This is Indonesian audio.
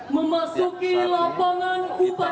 memasuki lapangan upacara